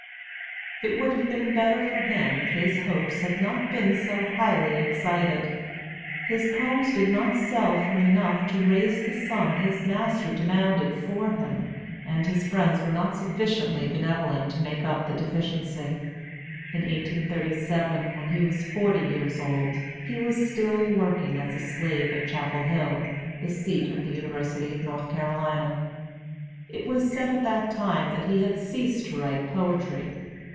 It would have been better for him if his hopes had not been so highly excited. His poems did not sell for enough to raise the sum his master demanded for him, and his friends were not sufficiently benevolent to make up the deficiency. In 1837, when he was forty years old, he was still working as a slave at Chapel Hill, the seat of the University of North Carolina. It was said at that time that he had ceased to write poetry.